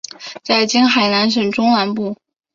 在今海南省中南部。